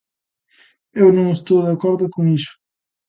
Eu non estou de acordo con iso.